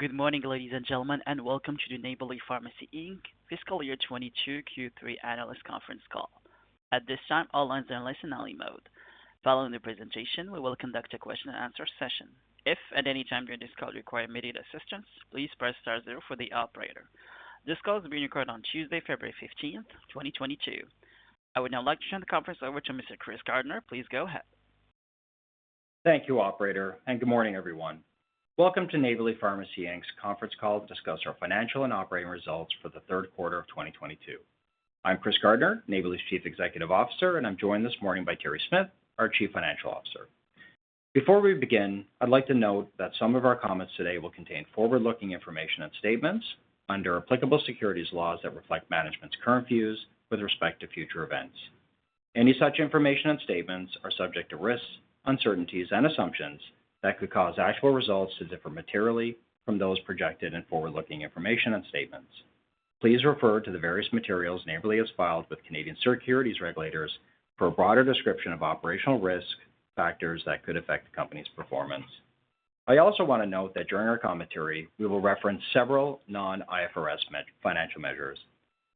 Good morning, ladies and gentlemen, and welcome to the Neighbourly Pharmacy Inc. Fiscal Year 2022 Q3 Analyst Conference Call. At this time, all lines are in listen-only mode. Following the presentation, we will conduct a question and answer session. If at any time during this call you require immediate assistance, please press star zero for the operator. This call is being recorded on Tuesday, February 15th, 2022. I would now like to turn the conference over to Mr. Chris Gardner. Please go ahead. Thank you, operator, and good morning, everyone. Welcome to Neighbourly Pharmacy Inc.'s conference call to discuss our financial and operating results for the third quarter of 2022. I'm Chris Gardner, Neighbourly's Chief Executive Officer, and I'm joined this morning by Terri Smyth, our Chief Financial Officer. Before we begin, I'd like to note that some of our comments today will contain forward-looking information and statements under applicable securities laws that reflect management's current views with respect to future events. Any such information and statements are subject to risks, uncertainties, and assumptions that could cause actual results to differ materially from those projected in forward-looking information and statements. Please refer to the various materials Neighbourly has filed with Canadian securities regulators for a broader description of operational risks, factors that could affect the company's performance. I also want to note that during our commentary, we will reference several non-IFRS financial measures.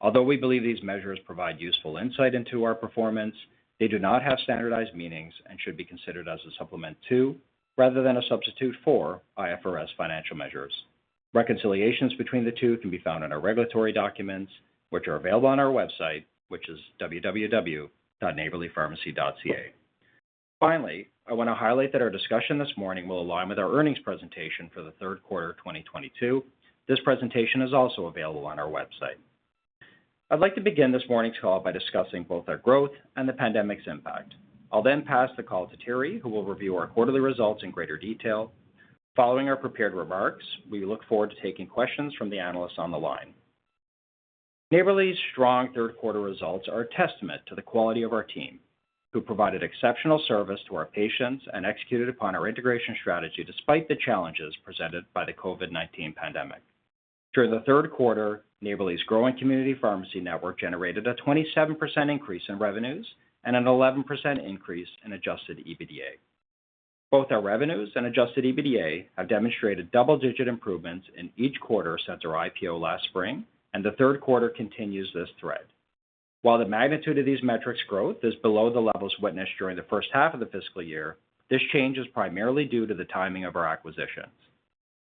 Although we believe these measures provide useful insight into our performance, they do not have standardized meanings and should be considered as a supplement to rather than a substitute for IFRS financial measures. Reconciliations between the two can be found in our regulatory documents, which are available on our website, which is www.neighbourlypharmacy.ca. Finally, I want to highlight that our discussion this morning will align with our earnings presentation for the third quarter of 2022. This presentation is also available on our website. I'd like to begin this morning's call by discussing both our growth and the pandemic's impact. I'll then pass the call to Terri, who will review our quarterly results in greater detail. Following our prepared remarks, we look forward to taking questions from the analysts on the line. Neighbourly's strong third quarter results are a testament to the quality of our team, who provided exceptional service to our patients and executed upon our integration strategy despite the challenges presented by the COVID-19 pandemic. During the third quarter, Neighbourly's growing community pharmacy network generated a 27% increase in revenues and an 11% increase in adjusted EBITDA. Both our revenues and adjusted EBITDA have demonstrated double-digit improvements in each quarter since our IPO last spring, and the third quarter continues this thread. While the magnitude of these metrics' growth is below the levels witnessed during the first half of the fiscal year, this change is primarily due to the timing of our acquisitions.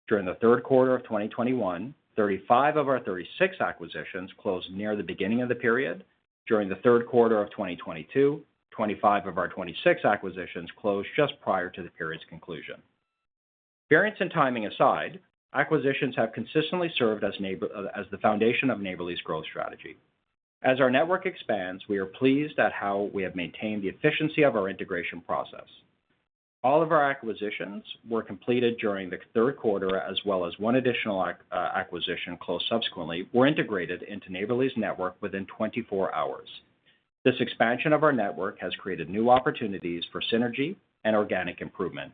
During the third quarter of 2021, 35 of our 36 acquisitions closed near the beginning of the period. During the third quarter of 2022, 25 of our 26 acquisitions closed just prior to the period's conclusion. Variance and timing aside, acquisitions have consistently served as the foundation of Neighbourly's growth strategy. As our network expands, we are pleased at how we have maintained the efficiency of our integration process. All of our acquisitions were completed during the third quarter as well as one additional acquisition closed subsequently were integrated into Neighbourly's network within 24 hours. This expansion of our network has created new opportunities for synergy and organic improvement.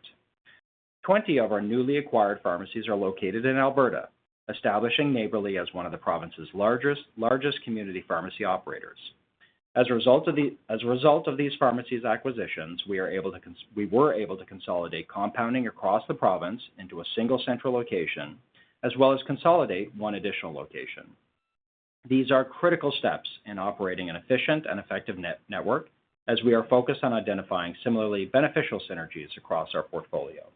Twenty of our newly acquired pharmacies are located in Alberta, establishing Neighbourly as one of the province's largest community pharmacy operators. As a result of these pharmacy acquisitions, we were able to consolidate compounding across the province into a single central location as well as consolidate one additional location. These are critical steps in operating an efficient and effective network as we are focused on identifying similarly beneficial synergies across our portfolio.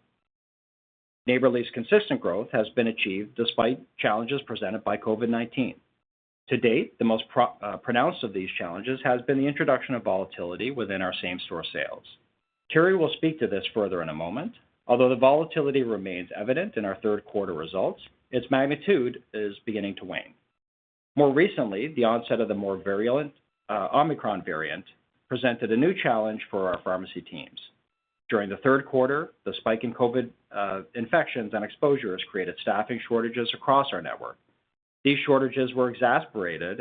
Neighbourly's consistent growth has been achieved despite challenges presented by COVID-19. To date, the most pronounced of these challenges has been the introduction of volatility within our same-store sales. Terri will speak to this further in a moment. Although the volatility remains evident in our third quarter results, its magnitude is beginning to wane. More recently, the onset of the more virulent Omicron variant presented a new challenge for our pharmacy teams. During the third quarter, the spike in COVID infections and exposures created staffing shortages across our network. These shortages were exacerbated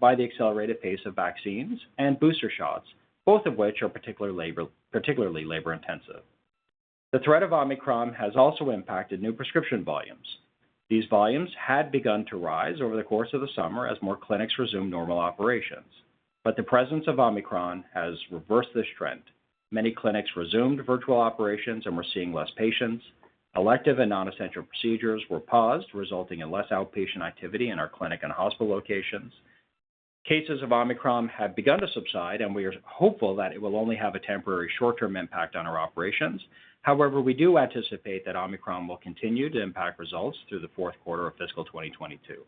by the accelerated pace of vaccines and booster shots, both of which are particularly labor-intensive. The threat of Omicron has also impacted new prescription volumes. These volumes had begun to rise over the course of the summer as more clinics resumed normal operations. The presence of Omicron has reversed this trend. Many clinics resumed virtual operations and were seeing less patients. Elective and non-essential procedures were paused, resulting in less outpatient activity in our clinic and hospital locations. Cases of Omicron have begun to subside, and we are hopeful that it will only have a temporary short-term impact on our operations. However, we do anticipate that Omicron will continue to impact results through the fourth quarter of fiscal 2022.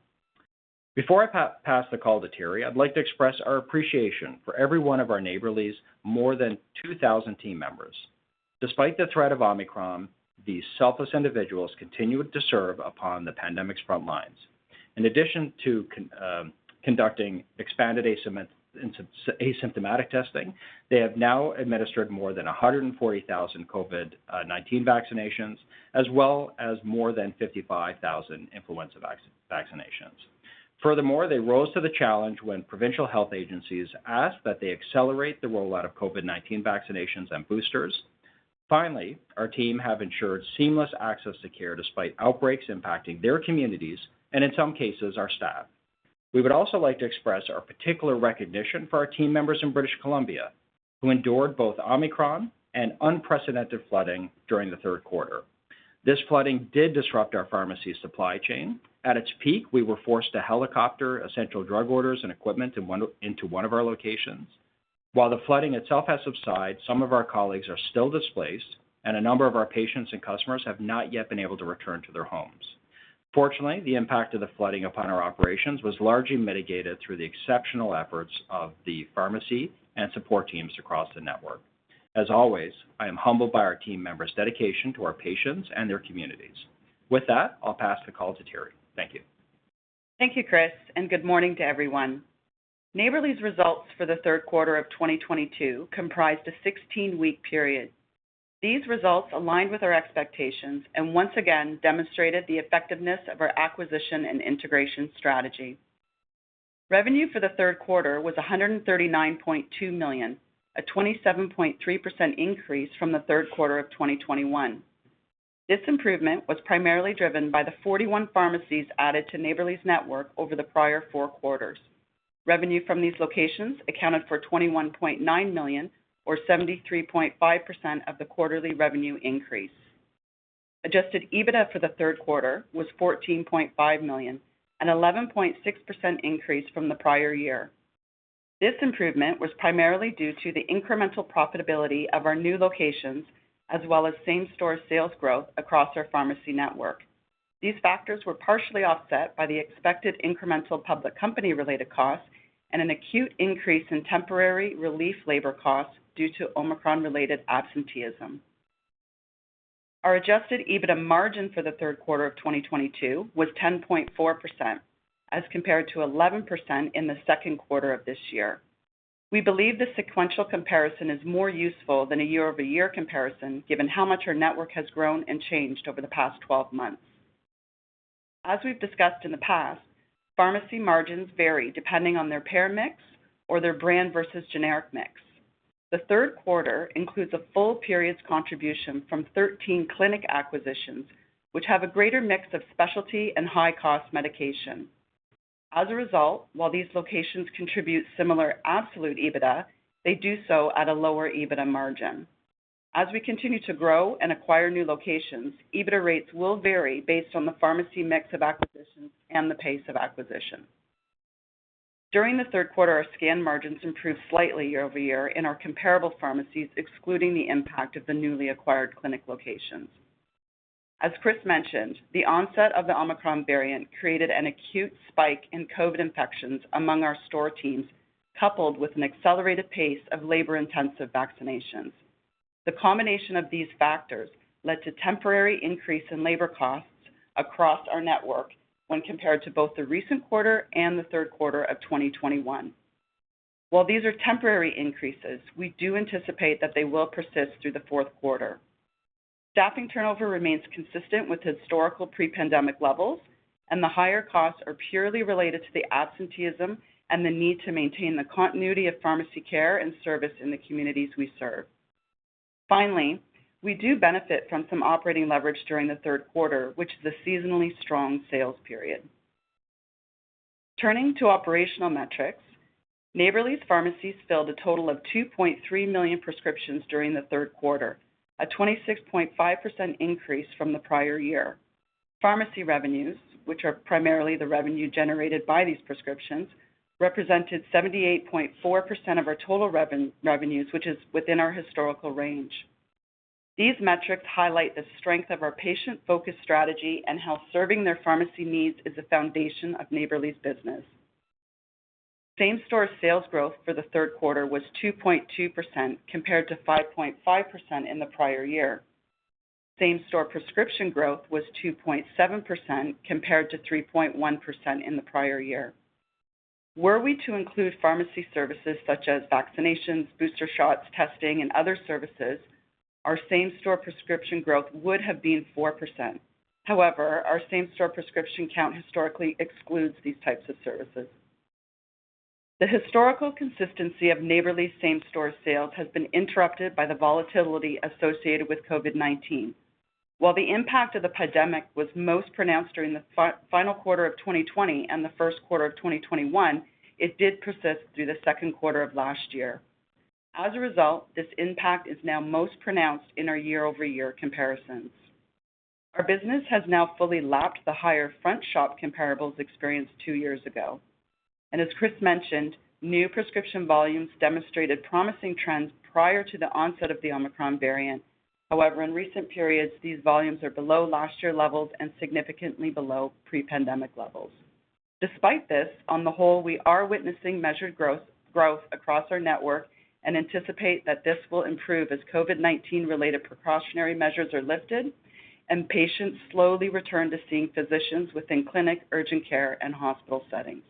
Before I pass the call to Terri, I'd like to express our appreciation for every one of our Neighbourly's more than 2,000 team members. Despite the threat of Omicron, these selfless individuals continued to serve upon the pandemic's front lines. In addition to conducting expanded asymptomatic testing, they have now administered more than 140,000 COVID-19 vaccinations as well as more than 55,000 influenza vaccinations. Furthermore, they rose to the challenge when provincial health agencies asked that they accelerate the rollout of COVID-19 vaccinations and boosters. Finally, our team have ensured seamless access to care despite outbreaks impacting their communities and, in some cases, our staff. We would also like to express our particular recognition for our team members in British Columbia, who endured both Omicron and unprecedented flooding during the third quarter. This flooding did disrupt our pharmacy supply chain. At its peak, we were forced to helicopter essential drug orders and equipment into one of our locations. While the flooding itself has subsided, some of our colleagues are still displaced, and a number of our patients and customers have not yet been able to return to their homes. Fortunately, the impact of the flooding upon our operations was largely mitigated through the exceptional efforts of the pharmacy and support teams across the network. As always, I am humbled by our team members' dedication to our patients and their communities. With that, I'll pass the call to Terri. Thank you. Thank you, Chris, and good morning to everyone. Neighbourly's results for the third quarter of 2022 comprised a 16-week period. These results aligned with our expectations and once again demonstrated the effectiveness of our acquisition and integration strategy. Revenue for the third quarter was 139.2 million, a 27.3% increase from the third quarter of 2021. This improvement was primarily driven by the 41 pharmacies added to Neighbourly's network over the prior four quarters. Revenue from these locations accounted for 21.9 million or 73.5% of the quarterly revenue increase. Adjusted EBITDA for the third quarter was 14.5 million, an 11.6% increase from the prior year. This improvement was primarily due to the incremental profitability of our new locations, as well as same-store sales growth across our pharmacy network. These factors were partially offset by the expected incremental public company-related costs and an acute increase in temporary relief labor costs due to Omicron-related absenteeism. Our adjusted EBITDA margin for the third quarter of 2022 was 10.4%, as compared to 11% in the second quarter of this year. We believe the sequential comparison is more useful than a year-over-year comparison, given how much our network has grown and changed over the past 12 months. As we've discussed in the past, pharmacy margins vary depending on their payer mix or their brand versus generic mix. The third quarter includes a full period's contribution from 13 clinic acquisitions, which have a greater mix of specialty and high-cost medication. As a result, while these locations contribute similar absolute EBITDA, they do so at a lower EBITDA margin. As we continue to grow and acquire new locations, EBITDA rates will vary based on the pharmacy mix of acquisitions and the pace of acquisition. During the third quarter, our scan margins improved slightly year-over-year in our comparable pharmacies, excluding the impact of the newly acquired clinic locations. As Chris mentioned, the onset of the Omicron variant created an acute spike in COVID infections among our store teams, coupled with an accelerated pace of labor-intensive vaccinations. The combination of these factors led to temporary increase in labor costs across our network when compared to both the recent quarter and the third quarter of 2021. While these are temporary increases, we do anticipate that they will persist through the fourth quarter. Staffing turnover remains consistent with historical pre-pandemic levels, and the higher costs are purely related to the absenteeism and the need to maintain the continuity of pharmacy care and service in the communities we serve. Finally, we do benefit from some operating leverage during the third quarter, which is a seasonally strong sales period. Turning to operational metrics, Neighbourly's pharmacies filled a total of 2.3 million prescriptions during the third quarter, a 26.5% increase from the prior year. Pharmacy revenues, which are primarily the revenue generated by these prescriptions, represented 78.4% of our total revenues, which is within our historical range. These metrics highlight the strength of our patient-focused strategy and how serving their pharmacy needs is the foundation of Neighbourly's business. Same-store sales growth for the third quarter was 2.2% compared to 5.5% in the prior year. Same-store prescription growth was 2.7% compared to 3.1% in the prior year. Were we to include pharmacy services such as vaccinations, booster shots, testing, and other services, our same-store prescription growth would have been 4%. However, our same-store prescription count historically excludes these types of services. The historical consistency of Neighbourly's same-store sales has been interrupted by the volatility associated with COVID-19. While the impact of the pandemic was most pronounced during the final quarter of 2020 and the first quarter of 2021, it did persist through the second quarter of last year. As a result, this impact is now most pronounced in our year-over-year comparisons. Our business has now fully lapped the higher front shop comparables experienced 2 years ago. As Chris mentioned, new prescription volumes demonstrated promising trends prior to the onset of the Omicron variant. However, in recent periods, these volumes are below last year levels and significantly below pre-pandemic levels. Despite this, on the whole, we are witnessing measured growth across our network and anticipate that this will improve as COVID-19 related precautionary measures are lifted and patients slowly return to seeing physicians within clinic, urgent care, and hospital settings.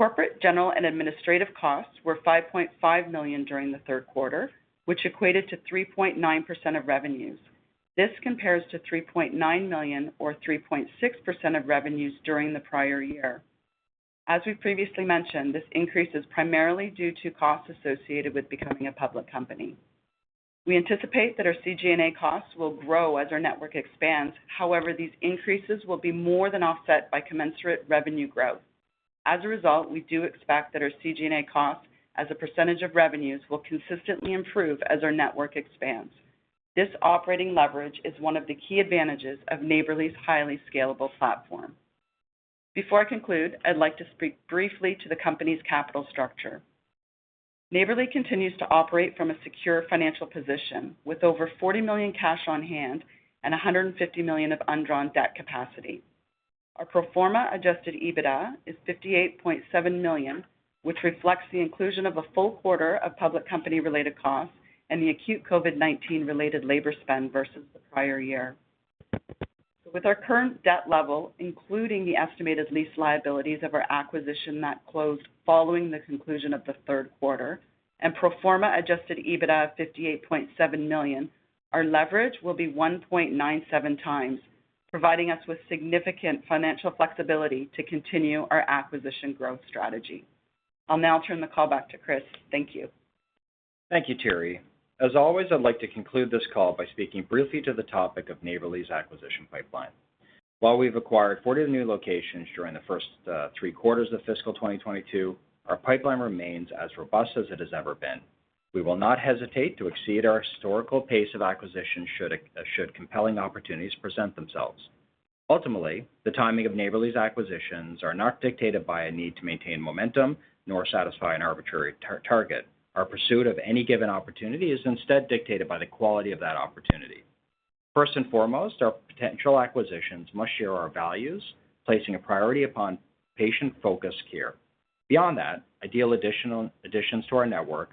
Corporate, general, and administrative costs were 5.5 million during the third quarter, which equated to 3.9% of revenues. This compares to 3.9 million or 3.6% of revenues during the prior year. As we previously mentioned, this increase is primarily due to costs associated with becoming a public company. We anticipate that our CG&A costs will grow as our network expands. However, these increases will be more than offset by commensurate revenue growth. As a result, we do expect that our CG&A costs as a percentage of revenues will consistently improve as our network expands. This operating leverage is one of the key advantages of Neighbourly's highly scalable platform. Before I conclude, I'd like to speak briefly to the company's capital structure. Neighbourly continues to operate from a secure financial position with over 40 million cash on hand and 150 million of undrawn debt capacity. Our pro forma adjusted EBITDA is 58.7 million, which reflects the inclusion of a full quarter of public company-related costs and the acute COVID-19-related labor spend versus the prior year. With our current debt level, including the estimated lease liabilities of our acquisition that closed following the conclusion of the third quarter and pro forma adjusted EBITDA of 58.7 million, our leverage will be 1.97x, providing us with significant financial flexibility to continue our acquisition growth strategy. I'll now turn the call back to Chris. Thank you. Thank you, Terri. As always, I'd like to conclude this call by speaking briefly to the topic of Neighbourly's acquisition pipeline. While we've acquired 40 new locations during the first three quarters of fiscal 2022, our pipeline remains as robust as it has ever been. We will not hesitate to exceed our historical pace of acquisition should compelling opportunities present themselves. Ultimately, the timing of Neighbourly's acquisitions are not dictated by a need to maintain momentum nor satisfy an arbitrary target. Our pursuit of any given opportunity is instead dictated by the quality of that opportunity. First and foremost, our potential acquisitions must share our values, placing a priority upon patient-focused care. Beyond that, ideal additions to our network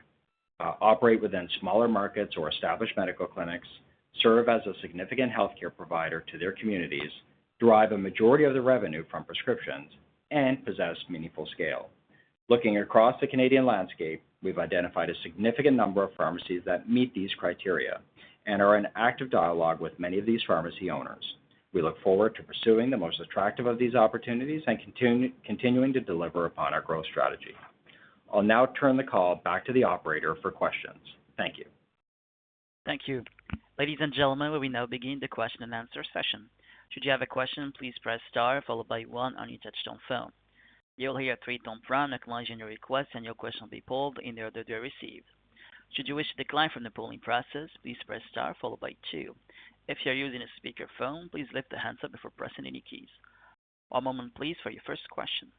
operate within smaller markets or established medical clinics, serve as a significant healthcare provider to their communities, derive a majority of the revenue from prescriptions, and possess meaningful scale. Looking across the Canadian landscape, we've identified a significant number of pharmacies that meet these criteria and are in active dialogue with many of these pharmacy owners. We look forward to pursuing the most attractive of these opportunities and continuing to deliver upon our growth strategy. I'll now turn the call back to the operator for questions. Thank you. Thank you. Ladies and gentlemen, we will now begin the question and answer session. Should you have a question, please press star followed by one on your touchtone phone. You'll hear a three-tone prompt acknowledging your request, and your question will be pulled in the order they are received. Should you wish to decline from the polling process, please press star followed by two. If you're using a speakerphone, please lift the handset before pressing any keys. One moment please for your first question.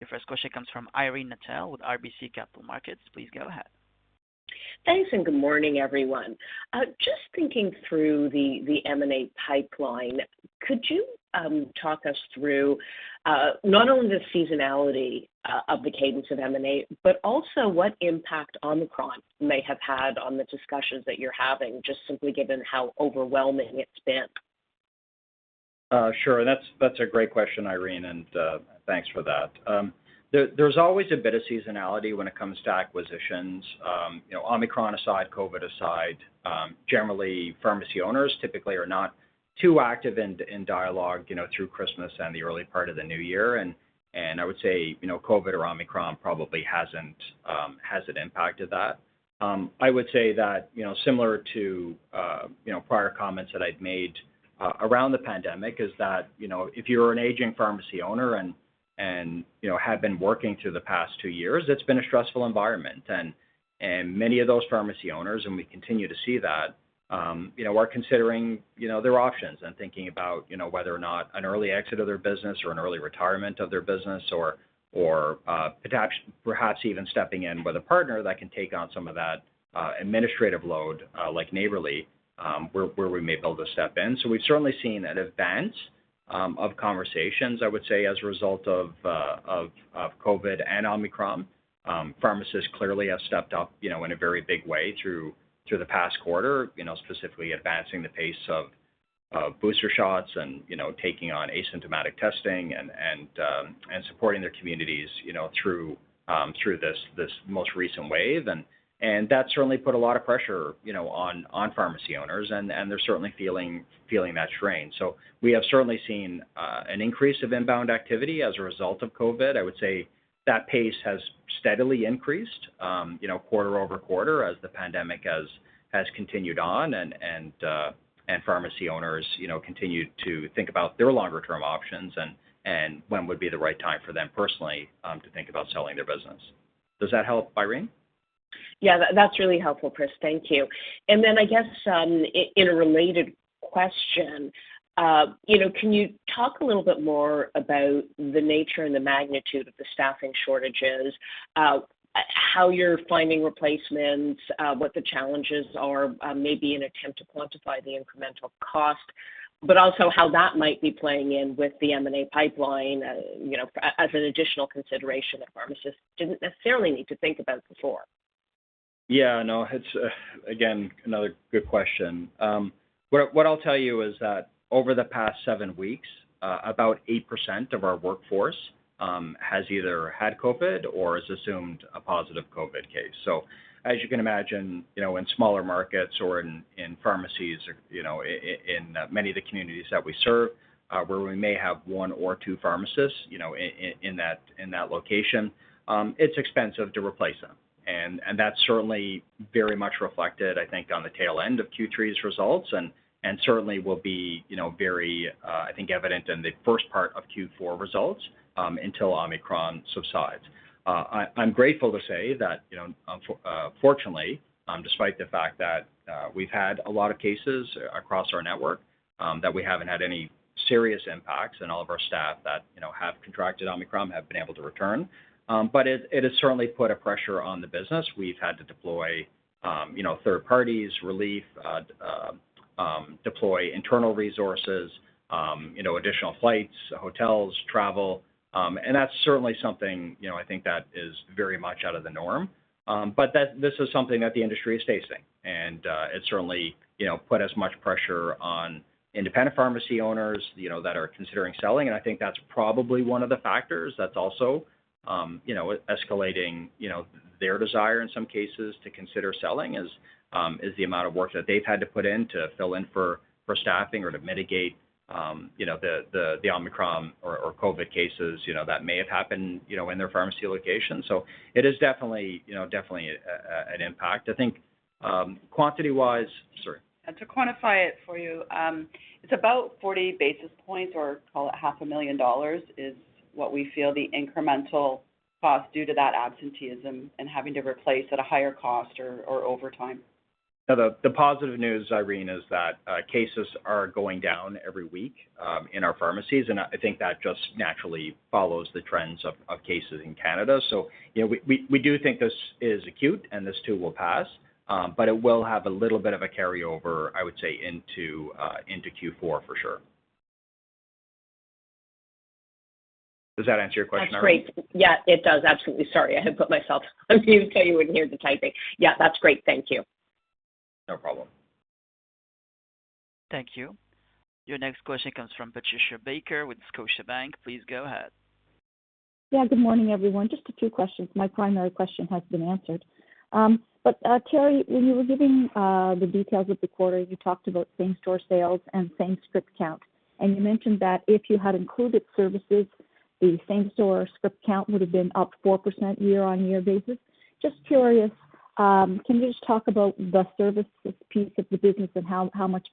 Your first question comes from Irene Nattel with RBC Capital Markets. Please go ahead. Thanks, and good morning, everyone. Just thinking through the M&A pipeline, could you talk us through not only the seasonality of the cadence of M&A, but also what impact Omicron may have had on the discussions that you're having, just simply given how overwhelming it's been? Sure. That's a great question, Irene, and thanks for that. There's always a bit of seasonality when it comes to acquisitions. You know, Omicron aside, COVID aside, generally pharmacy owners typically are not too active in dialogue, you know, through Christmas and the early part of the new year. I would say, you know, COVID or Omicron probably hasn't impacted that. I would say that, you know, similar to prior comments that I've made around the pandemic is that, you know, if you're an aging pharmacy owner and you know, have been working through the past 2 years, it's been a stressful environment. Many of those pharmacy owners, and we continue to see that, you know, are considering, you know, their options and thinking about, you know, whether or not an early exit of their business or an early retirement of their business or perhaps even stepping in with a partner that can take on some of that administrative load, like Neighbourly, where we may be able to step in. We've certainly seen an advance of conversations, I would say, as a result of COVID and Omicron. Pharmacists clearly have stepped up, you know, in a very big way through the past quarter, you know, specifically advancing the pace of booster shots and, you know, taking on asymptomatic testing and supporting their communities, you know, through this most recent wave. That certainly put a lot of pressure, you know, on pharmacy owners, and they're certainly feeling that strain. We have certainly seen an increase of inbound activity as a result of COVID. I would say that pace has steadily increased, you know, quarter-over-quarter as the pandemic has continued on and pharmacy owners, you know, continue to think about their longer-term options and when would be the right time for them personally to think about selling their business. Does that help, Irene? Yeah. That's really helpful, Chris. Thank you. I guess, in a related question, you know, can you talk a little bit more about the nature and the magnitude of the staffing shortages, how you're finding replacements, what the challenges are, maybe an attempt to quantify the incremental cost, but also how that might be playing in with the M&A pipeline, you know, as an additional consideration that pharmacists didn't necessarily need to think about before. Yeah, no, it's again another good question. What I'll tell you is that over the past 7 weeks, about 8% of our workforce has either had COVID or has assumed a positive COVID case. So as you can imagine, you know, in smaller markets or in pharmacies or, you know, in many of the communities that we serve, where we may have 1 or 2 pharmacists, you know, in that location, it's expensive to replace them. That's certainly very much reflected, I think, on the tail end of Q3's results, and certainly will be, you know, very, I think, evident in the first part of Q4 results, until Omicron subsides. I'm grateful to say that, you know, fortunately, despite the fact that we've had a lot of cases across our network, that we haven't had any serious impacts, and all of our staff that, you know, have contracted Omicron have been able to return. But it has certainly put a pressure on the business. We've had to deploy third-party relief, internal resources, additional flights, hotels, travel, and that's certainly something, you know, I think that is very much out of the norm. This is something that the industry is facing. It's certainly, you know, put as much pressure on independent pharmacy owners, you know, that are considering selling. I think that's probably one of the factors that's also escalating their desire in some cases to consider selling is the amount of work that they've had to put in to fill in for staffing or to mitigate the Omicron or COVID cases that may have happened in their pharmacy location. It is definitely an impact. I think quantity-wise. Sorry. To quantify it for you, it's about 40 basis points or call it 500 dollars, 000 is what we feel the incremental cost due to that absenteeism and having to replace at a higher cost or over time. The positive news, Irene, is that cases are going down every week in our pharmacies, and I think that just naturally follows the trends of cases in Canada. You know, we do think this is acute and this too will pass, but it will have a little bit of a carryover, I would say, into Q4 for sure. Does that answer your question, Irene? That's great. Yeah, it does. Absolutely. Sorry. I had put myself on mute so you wouldn't hear the typing. Yeah, that's great. Thank you. No problem. Thank you. Your next question comes from Patricia Baker with Scotiabank. Please go ahead. Yeah, good morning, everyone. Just a few questions. My primary question has been answered. Terri, when you were giving the details of the quarter, you talked about same-store sales and same script count. You mentioned that if you had included services, the same-store script count would have been up 4% year-over-year basis. Just curious, can you just talk about the services piece of the business and how much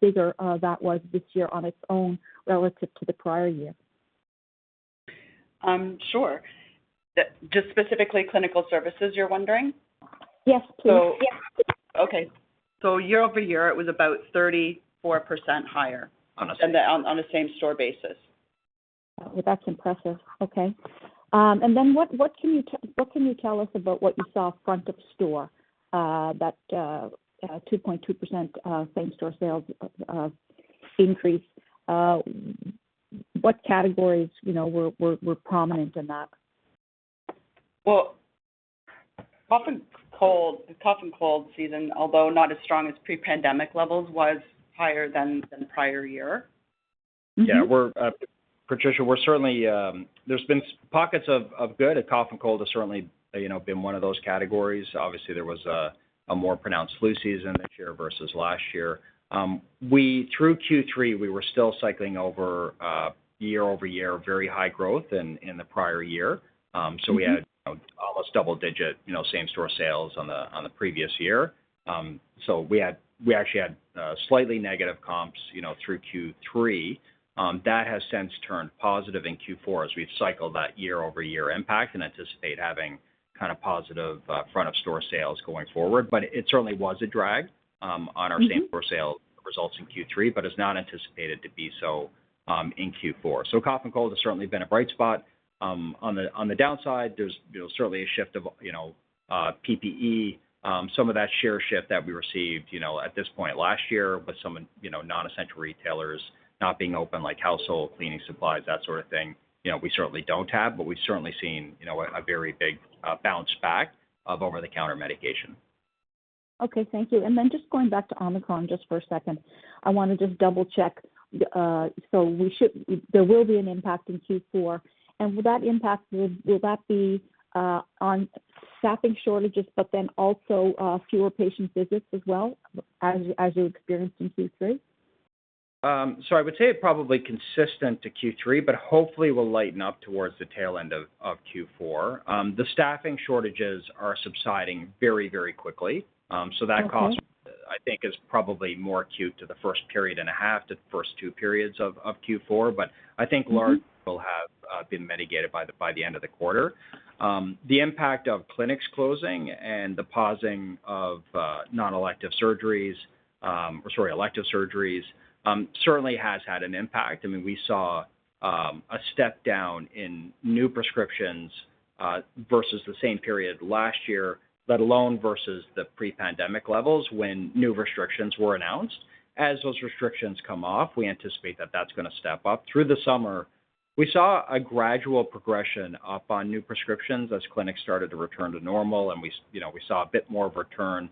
bigger that was this year on its own relative to the prior year? Just specifically clinical services, you're wondering? Yes, please. So- Yeah. Okay. Year-over-year, it was about 34% higher. On the- On the same-store basis. That's impressive. Okay. Then what can you tell us about what you saw front of store, that 2.2% same-store sales increase? What categories, you know, were prominent in that? Well, cough and cold season, although not as strong as pre-pandemic levels, was higher than the prior year. Yeah. Patricia, we're certainly. There's been pockets of good, and cough and cold has certainly, you know, been one of those categories. Obviously, there was a more pronounced flu season this year versus last year. Through Q3, we were still cycling over year-over-year very high growth in the prior year. We had- Mm-hmm Almost double-digit, you know, same-store sales on the previous year. We actually had slightly negative comps, you know, through Q3. That has since turned positive in Q4 as we've cycled that year-over-year impact and anticipate having kind of positive front of store sales going forward. It certainly was a drag on our- Mm-hmm... same-store sales results in Q3, but is not anticipated to be so in Q4. Cough and cold has certainly been a bright spot. On the downside, there's you know certainly a shift of you know PPE some of that share shift that we received you know at this point last year with some you know non-essential retailers not being open like household cleaning supplies, that sort of thing. You know we certainly don't have, but we've certainly seen you know a very big bounce back of over-the-counter medication. Okay. Thank you. Just going back to Omicron just for a second. I wanna just double-check. There will be an impact in Q4. Will that impact be on staffing shortages but then also fewer patient visits as well as you experienced in Q3? I would say probably consistent to Q3, but hopefully will lighten up towards the tail end of Q4. The staffing shortages are subsiding very, very quickly, so that cost- Mm-hmm I think it is probably more acute in the first period and a half to the first two periods of Q4. I think largely it will have been mitigated by the end of the quarter. The impact of clinics closing and the pausing of elective surgeries certainly has had an impact. I mean, we saw a step down in new prescriptions versus the same period last year, let alone versus the pre-pandemic levels when new restrictions were announced. As those restrictions come off, we anticipate that that's gonna step up. Through the summer, we saw a gradual progression up on new prescriptions as clinics started to return to normal, and we you know, we saw a bit more of a return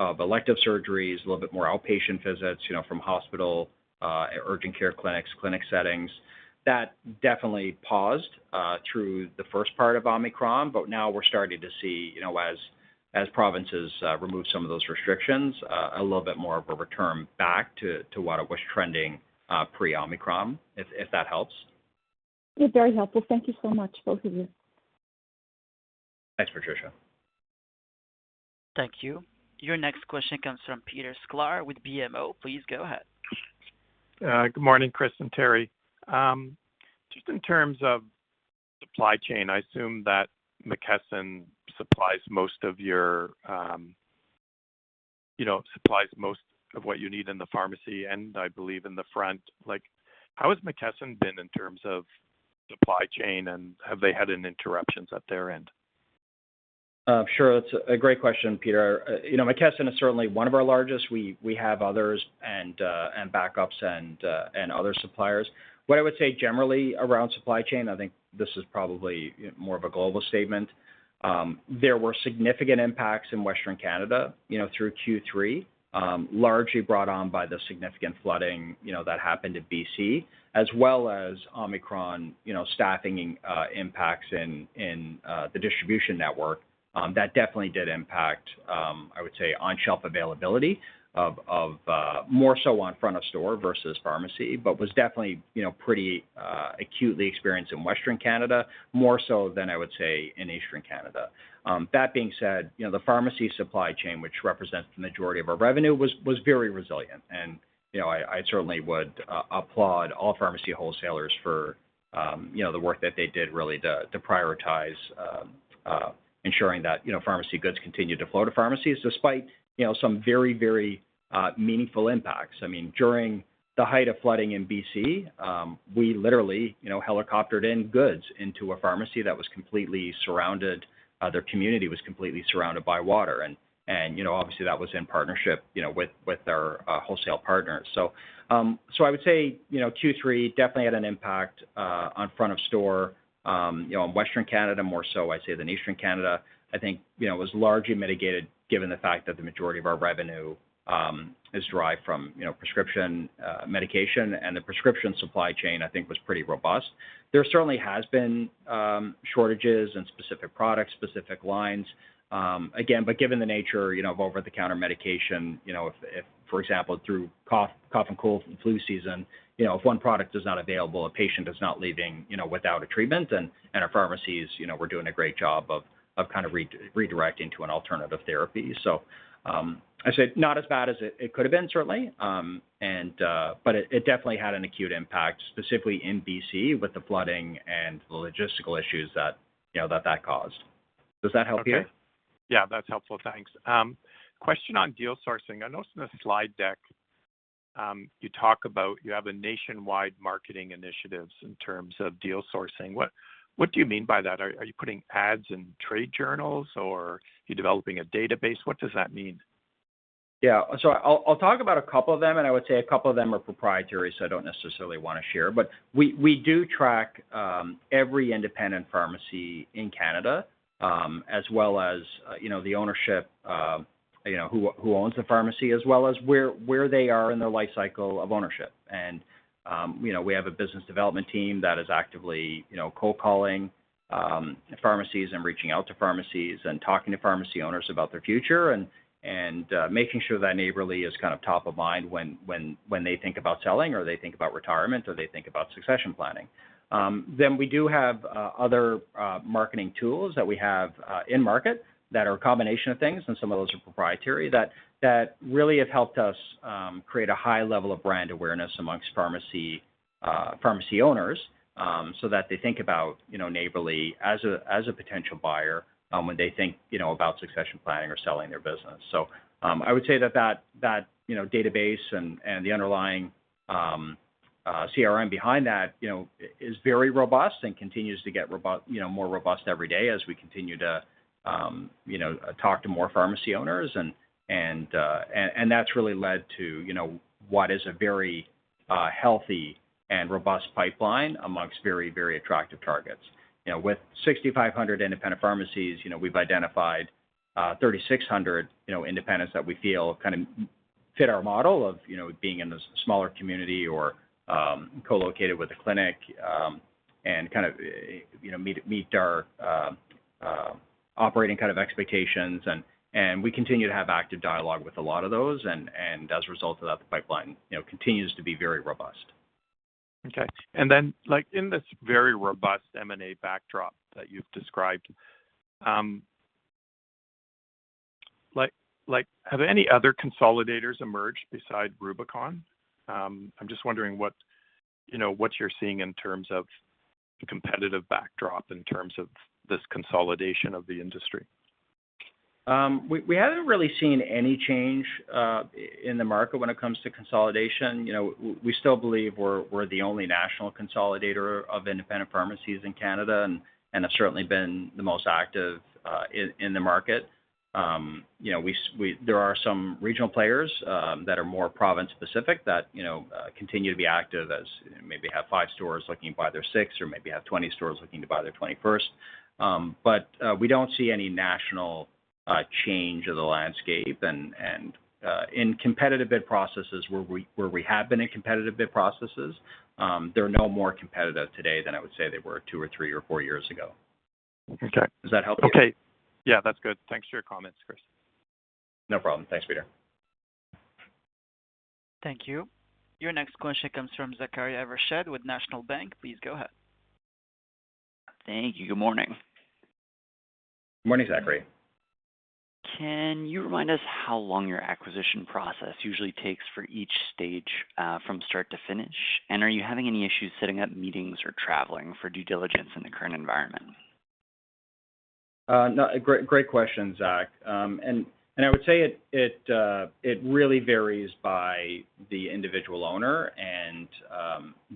of elective surgeries, a little bit more outpatient visits, you know, from hospital, urgent care clinics, clinic settings. That definitely paused through the first part of Omicron, but now we're starting to see, you know, as provinces remove some of those restrictions, a little bit more of a return back to what it was trending, pre-Omicron, if that helps. It's very helpful. Thank you so much, both of you. Thanks, Patricia. Thank you. Your next question comes from Peter Sklar with BMO. Please go ahead. Good morning, Chris and Terri. Just in terms of supply chain, I assume that McKesson supplies most of your, you know, supplies most of what you need in the pharmacy and, I believe, in the front. Like, how has McKesson been in terms of supply chain, and have they had any interruptions at their end? Sure. That's a great question, Peter. You know, McKesson is certainly one of our largest. We have others and backups and other suppliers. What I would say generally around supply chain, I think this is probably more of a global statement, there were significant impacts in Western Canada, you know, through Q3, largely brought on by the significant flooding, you know, that happened in BC, as well as Omicron, you know, staffing impacts in the distribution network, that definitely did impact, I would say, on-shelf availability of more so on front of store versus pharmacy, but was definitely, you know, pretty acutely experienced in Western Canada, more so than I would say in Eastern Canada. That being said, you know, the pharmacy supply chain, which represents the majority of our revenue, was very resilient. You know, I certainly would applaud all pharmacy wholesalers for, you know, the work that they did really to prioritize ensuring that, you know, pharmacy goods continued to flow to pharmacies despite, you know, some very meaningful impacts. I mean, during the height of flooding in BC, we literally, you know, helicoptered in goods into a pharmacy that was completely surrounded, their community was completely surrounded by water. You know, obviously, that was in partnership, you know, with our wholesale partners. I would say, you know, Q3 definitely had an impact on front of store, you know, in Western Canada more so I'd say than Eastern Canada. I think, you know, it was largely mitigated given the fact that the majority of our revenue is derived from, you know, prescription medication and the prescription supply chain. I think it was pretty robust. There certainly has been shortages in specific products, specific lines. Given the nature, you know, of over-the-counter medication, you know, if, for example, through cough and cold and flu season, you know, if one product is not available, a patient is not leaving, you know, without a treatment. Our pharmacies, you know, we're doing a great job of kind of redirecting to an alternative therapy. I'd say not as bad as it could have been, certainly. It definitely had an acute impact, specifically in BC with the flooding and the logistical issues that you know that caused. Does that help you? Okay. Yeah, that's helpful. Thanks. Question on deal sourcing. I noticed in the slide deck, you talk about you have a nationwide marketing initiatives in terms of deal sourcing. What do you mean by that? Are you putting ads in trade journals or are you developing a database? What does that mean? Yeah. I'll talk about a couple of them, and I would say a couple of them are proprietary, so I don't necessarily want to share. We do track every independent pharmacy in Canada, as well as, you know, the ownership, you know, who owns the pharmacy, as well as where they are in their life cycle of ownership. We have a business development team that is actively, you know, cold calling pharmacies and reaching out to pharmacies and talking to pharmacy owners about their future and, uh, making sure that Neighbourly is kind of top of mind when, when they think about selling or they think about retirement or they think about succession planning. We do have other marketing tools that we have in market that are a combination of things, and some of those are proprietary that really have helped us create a high level of brand awareness among pharmacy owners, so that they think about, you know, Neighbourly as a potential buyer when they think, you know, about succession planning or selling their business. I would say that database and the underlying CRM behind that, you know, is very robust and continues to get robust, you know, more robust every day as we continue to, you know, talk to more pharmacy owners. That's really led to, you know, what is a very healthy and robust pipeline among very attractive targets. You know, with 6,500 independent pharmacies, you know, we've identified, 3,600, you know, independents that we feel kind of fit our model of, you know, being in a smaller community or, co-located with a clinic, and kind of, you know, meet our operating kind of expectations. We continue to have active dialogue with a lot of those and, as a result of that, the pipeline, you know, continues to be very robust. Okay. Like in this very robust M&A backdrop that you've described, like, have any other consolidators emerged besides Rubicon? I'm just wondering what, you know, you're seeing in terms of the competitive backdrop in terms of this consolidation of the industry. We haven't really seen any change in the market when it comes to consolidation. You know, we still believe we're the only national consolidator of independent pharmacies in Canada and have certainly been the most active in the market. You know, there are some regional players that are more province specific that, you know, continue to be active as, you know, maybe have 5 stores looking to buy their 6th or maybe have 20 stores looking to buy their 21st. But we don't see any national change of the landscape. In competitive bid processes where we have been in competitive bid processes, they're no more competitive today than I would say they were 2 years or 3 years or 4 years ago. Okay. Does that help you? Okay. Yeah, that's good. Thanks for your comments, Chris. No problem. Thanks, Peter. Thank you. Your next question comes from Zachary Evershed with National Bank. Please go ahead. Thank you. Good morning. Morning, Zachary. Can you remind us how long your acquisition process usually takes for each stage, from start to finish? Are you having any issues setting up meetings or traveling for due diligence in the current environment? No. Great question, Zachary. I would say it really varies by the individual owner and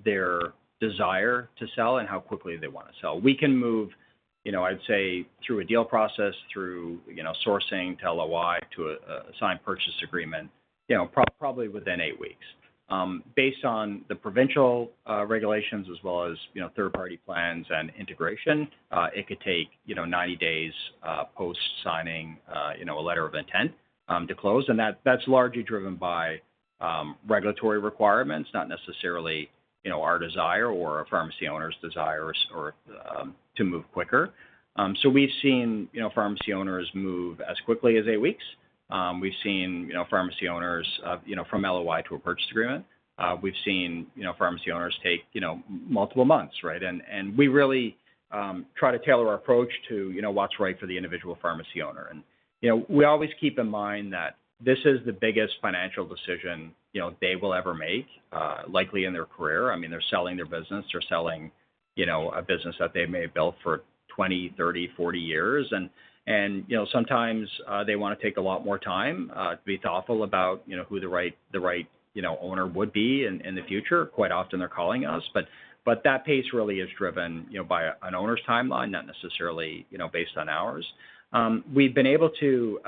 their desire to sell and how quickly they wanna sell. We can move, you know, I'd say through a deal process, through, you know, sourcing to LOI to a signed purchase agreement, you know, probably within 8 weeks. Based on the provincial regulations as well as, you know, third-party plans and integration, it could take, you know, 90 days post-signing, you know, a letter of intent to close. That is largely driven by regulatory requirements, not necessarily, you know, our desire or a pharmacy owner's desire or to move quicker. So we've seen, you know, pharmacy owners move as quickly as 8 weeks. We've seen, you know, pharmacy owners, you know, from LOI to a purchase agreement. We've seen, you know, pharmacy owners take, you know, multiple months, right? We really try to tailor our approach to, you know, what's right for the individual pharmacy owner. We always keep in mind that this is the biggest financial decision, you know, they will ever make, likely in their career. I mean, they're selling their business. They're selling, you know, a business that they may have built for 20 years, 30 years, 40 years. Sometimes, they wanna take a lot more time to be thoughtful about, you know, who the right owner would be in the future. Quite often they're calling us, but that pace really is driven, you know, by an owner's timeline, not necessarily, you know, based on ours. We've been able to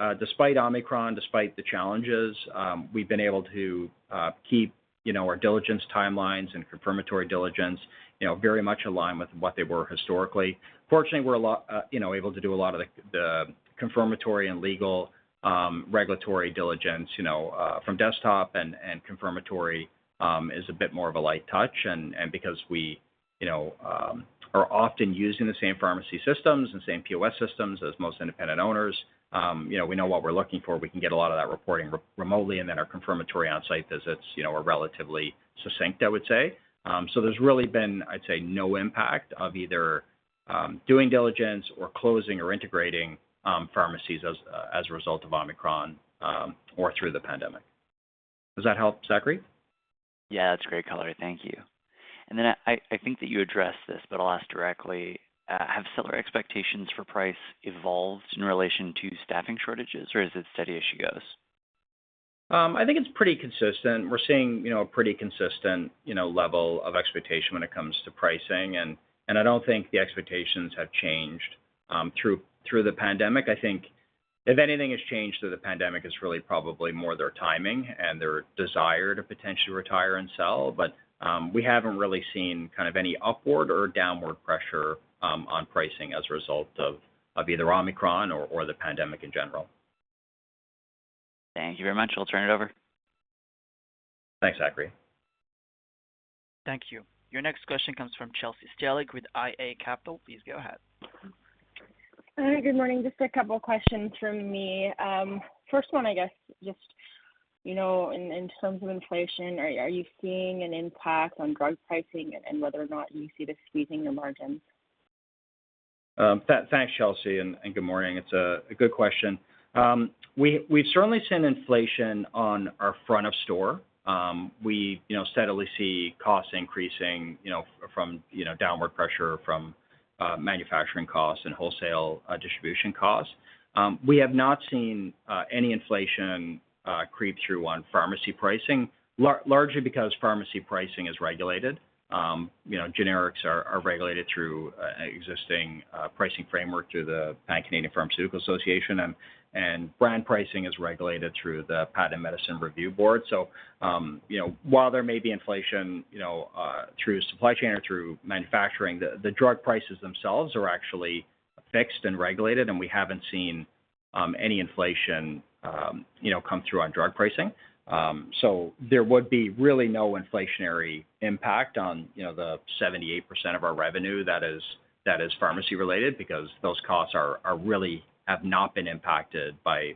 keep, you know, our diligence timelines and confirmatory diligence, you know, very much in line with what they were historically. Fortunately, we're a lot, you know, able to do a lot of the confirmatory and legal regulatory diligence, you know, from desktop. Confirmatory is a bit more of a light touch because we, you know, are often using the same pharmacy systems and same POS systems as most independent owners, you know, we know what we're looking for. We can get a lot of that reporting remotely, and then our confirmatory on-site visits, you know, are relatively succinct, I would say. There's really been, I'd say, no impact of either doing diligence or closing or integrating pharmacies as a result of Omicron or through the pandemic. Does that help, Zachary? Yeah. That's great color. Thank you. I think that you addressed this, but I'll ask directly. Have seller expectations for price evolved in relation to staffing shortages, or is it steady as she goes? I think it's pretty consistent. We're seeing, you know, a pretty consistent, you know, level of expectation when it comes to pricing. I don't think the expectations have changed through the pandemic. I think if anything has changed through the pandemic, it's really probably more their timing and their desire to potentially retire and sell. We haven't really seen kind of any upward or downward pressure on pricing as a result of either Omicron or the pandemic in general. Thank you very much. I'll turn it over. Thanks, Zachary. Thank you. Your next question comes from Chelsea Stellick with iA Capital. Please go ahead. Hi. Good morning. Just a couple questions from me. First one, I guess just, you know, in terms of inflation, are you seeing an impact on drug pricing and whether or not you see this squeezing your margins? Thanks, Chelsea, and good morning. It's a good question. We've certainly seen inflation on our front of store. We you know steadily see costs increasing, you know, from downward pressure from manufacturing costs and wholesale distribution costs. We have not seen any inflation creep through on pharmacy pricing, largely because pharmacy pricing is regulated. You know, generics are regulated through existing pricing framework through the pan-Canadian Pharmaceutical Alliance. Brand pricing is regulated through the Patented Medicine Prices Review Board. You know, while there may be inflation you know through supply chain or through manufacturing, the drug prices themselves are actually fixed and regulated. We haven't seen any inflation you know come through on drug pricing. There would be really no inflationary impact on, you know, the 78% of our revenue that is pharmacy related because those costs are really have not been impacted by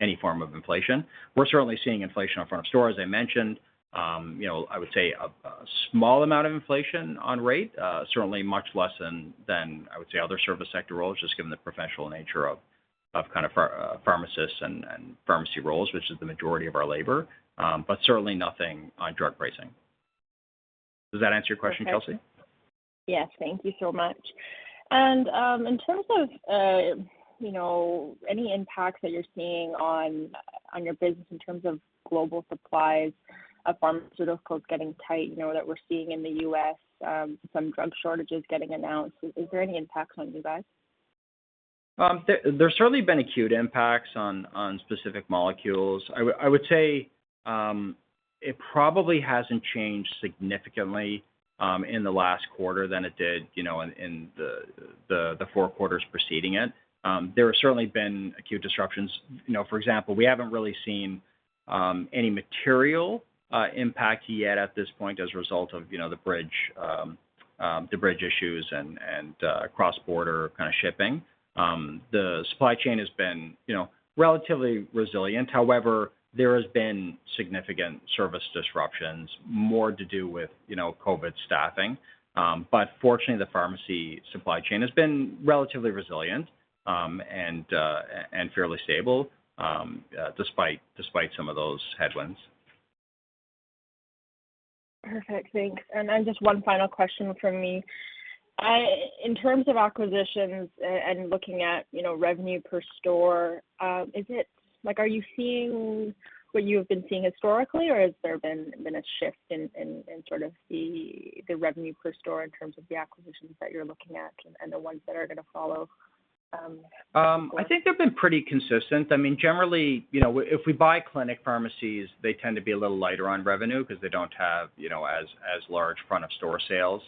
any form of inflation. We're certainly seeing inflation up front of store, as I mentioned. You know, I would say a small amount of inflation on rate, certainly much less than I would say other service sector roles, just given the professional nature of kind of pharmacists and pharmacy roles, which is the majority of our labor. But certainly nothing on drug pricing. Does that answer your question, Chelsea? Yes. Thank you so much. In terms of, you know, any impacts that you're seeing on your business in terms of global supplies of pharmaceuticals getting tight, you know, that we're seeing in the U.S., some drug shortages getting announced, is there any impact on you guys? There's certainly been acute impacts on specific molecules. I would say it probably hasn't changed significantly in the last quarter than it did, you know, in the four quarters preceding it. There have certainly been acute disruptions. You know, for example, we haven't really seen any material impact yet at this point as a result of, you know, the bridge issues and cross-border kind of shipping. The supply chain has been, you know, relatively resilient. However, there has been significant service disruptions, more to do with, you know, COVID staffing. But fortunately, the pharmacy supply chain has been relatively resilient and fairly stable despite some of those headwinds. Perfect. Thanks. Then just one final question from me. In terms of acquisitions and looking at, you know, revenue per store, is it like are you seeing what you have been seeing historically or has there been a shift in sort of the revenue per store in terms of the acquisitions that you're looking at and the ones that are gonna follow going forward? I think they've been pretty consistent. I mean, generally, you know, if we buy clinic pharmacies, they tend to be a little lighter on revenue because they don't have, you know, as large front of store sales.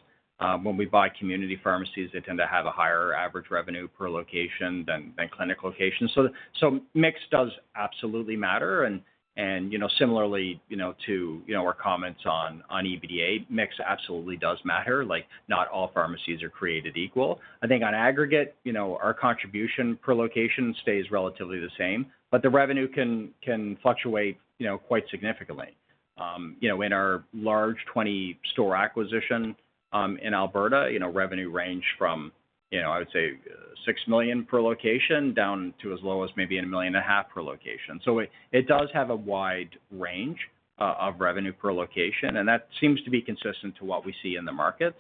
When we buy community pharmacies, they tend to have a higher average revenue per location than clinic locations. Mix does absolutely matter. You know, similarly, you know, to, you know, our comments on EBITDA, mix absolutely does matter. Like, not all pharmacies are created equal. I think on aggregate, you know, our contribution per location stays relatively the same, but the revenue can fluctuate, you know, quite significantly. You know, in our large 20-store acquisition in Alberta, you know, revenue range from, you know, I would say 6 million per location down to as low as maybe 1.5 million per location. It does have a wide range of revenue per location, and that seems to be consistent to what we see in the market.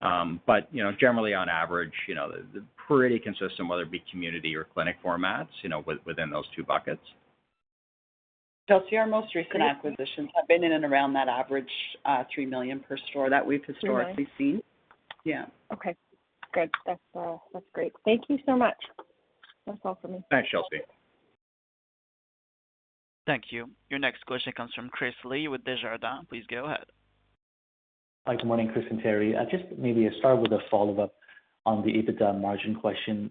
But, you know, generally on average, you know, pretty consistent, whether it be community or clinic formats, you know, within those two buckets. Chelsea, our most recent acquisitions have been in and around that average, 3 million per store that we've historically seen. CAD 3 million? Yeah. Okay. Good. That's great. Thank you so much. That's all for me. Thanks, Chelsea. Thank you. Your next question comes from Chris Li with Desjardins. Please go ahead. Hi. Good morning, Chris and Terri. Just maybe start with a follow-up on the EBITDA margin question.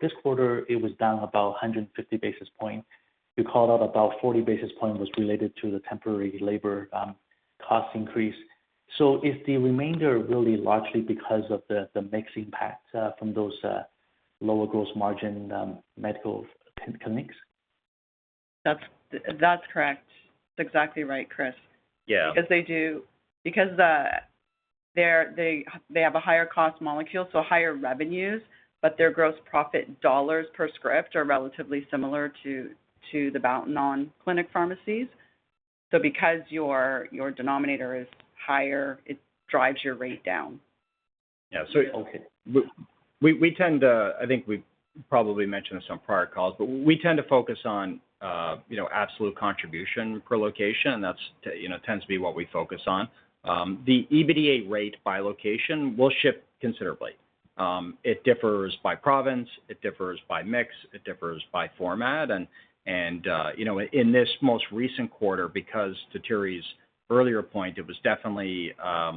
This quarter, it was down about 150 basis points. You called out about 40 basis points was related to the temporary labor cost increase. Is the remainder really largely because of the mix impact from those lower gross margin medical clinics? That's correct. That's exactly right, Chris. Yeah. Because they have a higher cost molecule, so higher revenues, but their gross profit dollars per script are relatively similar to the boutique non-clinic pharmacies. Because your denominator is higher, it drives your rate down. Yeah. Okay. I think we probably mentioned this on prior calls, but we tend to focus on absolute contribution per location, and that tends to be what we focus on. The EBITDA rate by location will shift considerably. It differs by province, it differs by mix, it differs by format. In this most recent quarter, because to Terri's earlier point, it was definitely a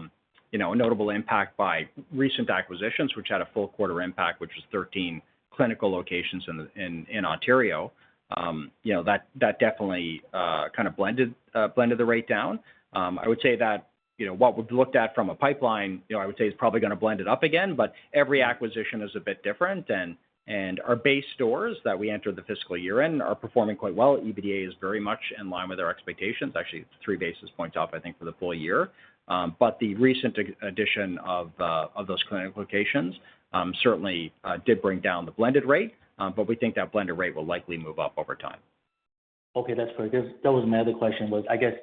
notable impact by recent acquisitions, which had a full quarter impact, which was 13 clinical locations in Ontario. That definitely kind of blended the rate down. I would say that, you know, what we've looked at from a pipeline, you know, I would say is probably gonna blend it up again, but every acquisition is a bit different, and our base stores that we entered the fiscal year in are performing quite well. EBITDA is very much in line with our expectations. Actually, it's 3 basis points up, I think, for the full year. The recent addition of those clinical locations certainly did bring down the blended rate, but we think that blended rate will likely move up over time. Okay, that's fair. Because that was my other question, I guess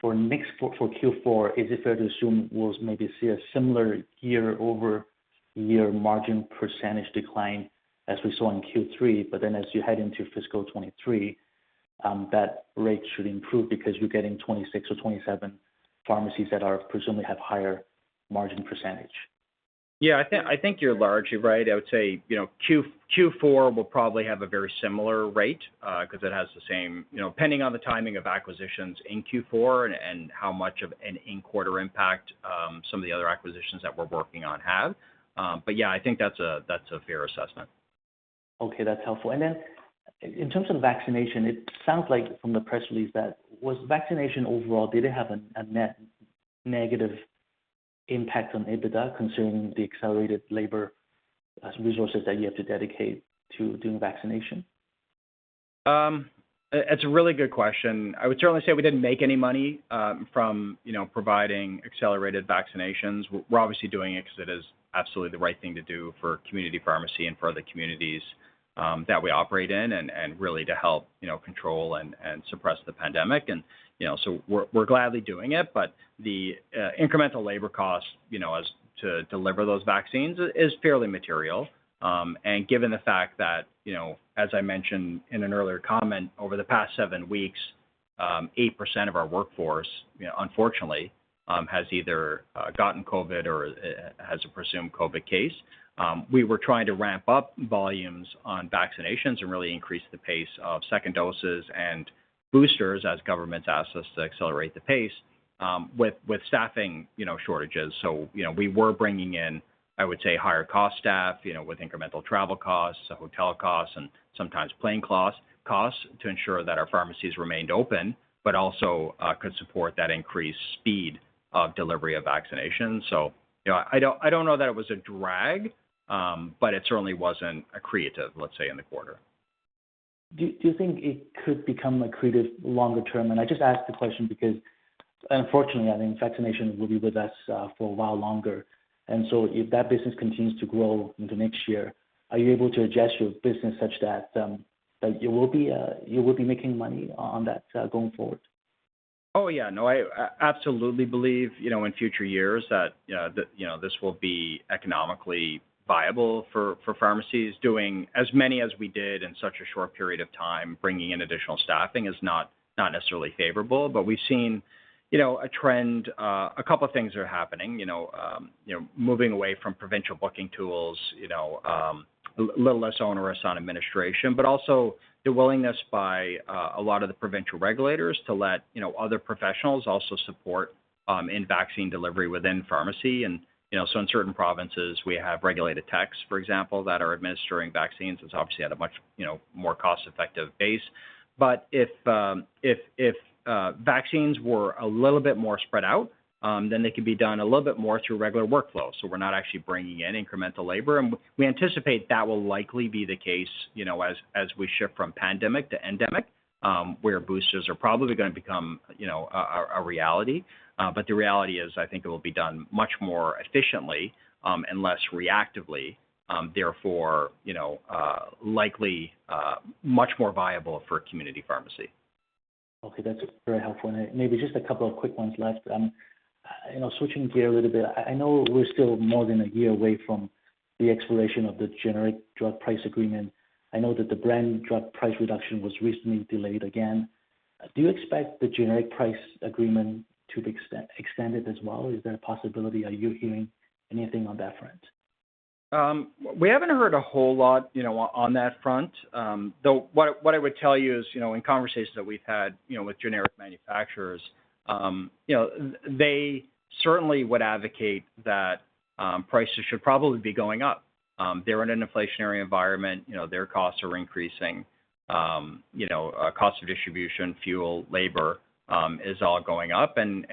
for Q4, is it fair to assume we'll maybe see a similar year-over-year margin percentage decline as we saw in Q3, but then as you head into fiscal 2023, that rate should improve because you're getting 26 or 27 pharmacies that are, presumably have higher margin percentage? Yeah. I think you're largely right. I would say, you know, Q4 will probably have a very similar rate, 'cause it has the same, you know, depending on the timing of acquisitions in Q4 and how much of an in-quarter impact some of the other acquisitions that we're working on have. But yeah, I think that's a fair assessment. Okay, that's helpful. Then in terms of vaccination, it sounds like from the press release that was vaccination overall, did it have a net negative impact on EBITDA considering the accelerated labor and resources that you have to dedicate to doing vaccination? It's a really good question. I would certainly say we didn't make any money from you know providing accelerated vaccinations. We're obviously doing it 'cause it is absolutely the right thing to do for community pharmacy and for the communities that we operate in and really to help you know control and suppress the pandemic. You know so we're gladly doing it. But the incremental labor cost you know to deliver those vaccines is fairly material. Given the fact that you know as I mentioned in an earlier comment over the past 7 weeks 8% of our workforce you know unfortunately has either gotten COVID or has a presumed COVID case. We were trying to ramp up volumes on vaccinations and really increase the pace of second doses and boosters as governments asked us to accelerate the pace with staffing, you know, shortages. You know, we were bringing in, I would say higher cost staff, you know, with incremental travel costs, hotel costs, and sometimes plane costs to ensure that our pharmacies remained open, but also could support that increased speed of delivery of vaccinations. You know, I don't know that it was a drag, but it certainly wasn't accretive, let's say, in the quarter. Do you think it could become accretive longer term? I just ask the question because unfortunately, I think vaccination will be with us for a while longer. If that business continues to grow into next year, are you able to adjust your business such that you will be making money on that going forward? Oh, yeah, no, I absolutely believe, you know, in future years that, you know, this will be economically viable for pharmacies. Doing as many as we did in such a short period of time, bringing in additional staffing is not necessarily favorable. We've seen, you know, a trend. A couple of things are happening, you know, moving away from provincial booking tools, you know, a little less onerous on administration, but also the willingness by a lot of the provincial regulators to let, you know, other professionals also support in vaccine delivery within pharmacy. In certain provinces, we have regulated techs, for example, that are administering vaccines. It's obviously at a much, you know, more cost-effective base. If vaccines were a little bit more spread out, then they could be done a little bit more through regular workflow, so we're not actually bringing in incremental labor. We anticipate that will likely be the case, you know, as we shift from pandemic to endemic, where boosters are probably gonna become, you know, a reality. The reality is, I think it will be done much more efficiently, and less reactively, therefore, you know, likely, much more viable for a community pharmacy. Okay, that's very helpful. Maybe just a couple of quick ones left. You know, switching gear a little bit. I know we're still more than a year away from the expiration of the generic price agreement. I know that the brand drug price reduction was recently delayed again. Do you expect the generic price agreement to be extended as well? Is there a possibility? Are you hearing anything on that front? We haven't heard a whole lot, you know, on that front. Though, what I would tell you is, you know, in conversations that we've had, you know, with generic manufacturers, you know, they certainly would advocate that, prices should probably be going up. They're in an inflationary environment, you know, their costs are increasing. You know, cost of distribution, fuel, labor, is all going up and,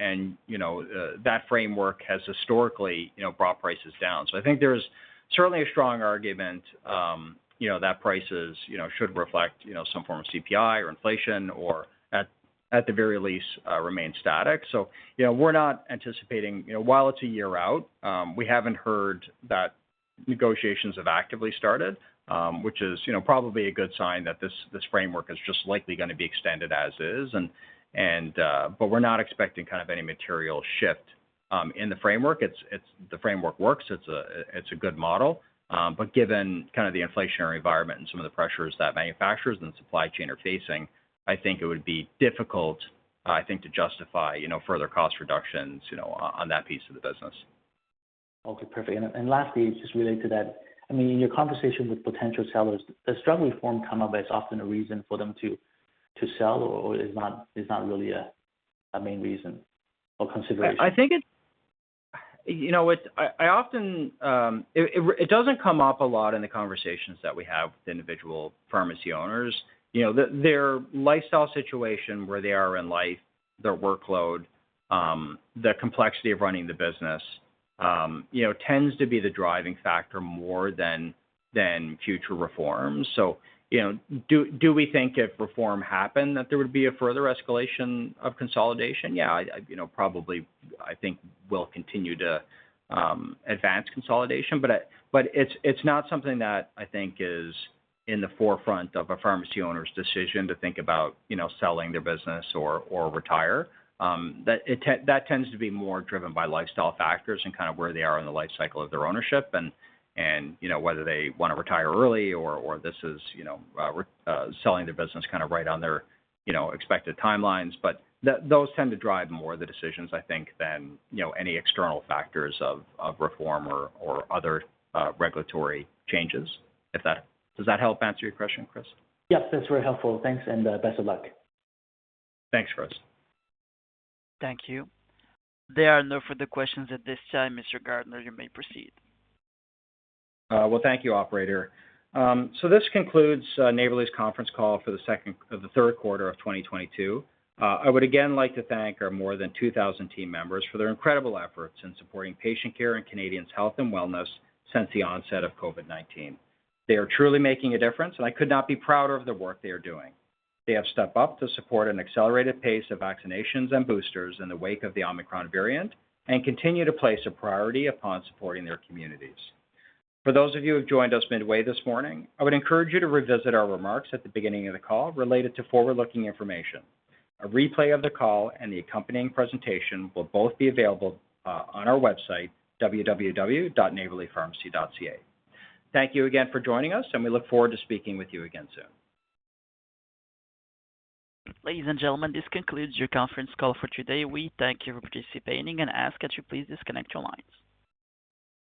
you know, that framework has historically, you know, brought prices down. I think there's certainly a strong argument, you know, that prices, you know, should reflect, you know, some form of CPI or inflation or at the very least, remain static. You know, we're not anticipating, you know, while it's a year out, we haven't heard that negotiations have actively started, which is, you know, probably a good sign that this framework is just likely gonna be extended as is. We're not expecting kind of any material shift in the framework. The framework works, it's a good model. Given kind of the inflationary environment and some of the pressures that manufacturers and supply chain are facing, I think it would be difficult, I think to justify, you know, further cost reductions, you know, on that piece of the business. Okay, perfect. Lastly, just related to that, I mean, in your conversation with potential sellers, does drug reform come up as often a reason for them to sell, or is not really a main reason or consideration? I think it. You know, it's I often. It doesn't come up a lot in the conversations that we have with individual pharmacy owners. You know, their lifestyle situation, where they are in life, their workload, the complexity of running the business, you know, tends to be the driving factor more than future reforms. You know, do we think if reform happened, that there would be a further escalation of consolidation? Yeah, you know, probably I think will continue to advance consolidation. It's not something that I think is in the forefront of a pharmacy owner's decision to think about, you know, selling their business or retire. That tends to be more driven by lifestyle factors and kind of where they are in the life cycle of their ownership and, you know, whether they wanna retire early or this is, you know, selling their business kind of right on their, you know, expected timelines. But those tend to drive more the decisions, I think, than, you know, any external factors of reform or other regulatory changes. Does that help answer your question, Chris? Yep, that's very helpful. Thanks, and best of luck. Thanks, Chris. Thank you. There are no further questions at this time. Mr. Gardner, you may proceed. Well, thank you, operator. This concludes Neighbourly's conference call for the third quarter of 2022. I would again like to thank our more than 2,000 team members for their incredible efforts in supporting patient care and Canadians' health and wellness since the onset of COVID-19. They are truly making a difference, and I could not be prouder of the work they are doing. They have stepped up to support an accelerated pace of vaccinations and boosters in the wake of the Omicron variant and continue to place a priority upon supporting their communities. For those of you who have joined us midway this morning, I would encourage you to revisit our remarks at the beginning of the call related to forward-looking information. A replay of the call and the accompanying presentation will both be available on our website, www.neighbourlypharmacy.ca. Thank you again for joining us, and we look forward to speaking with you again soon. Ladies and gentlemen, this concludes your conference call for today. We thank you for participating and ask that you please disconnect your lines.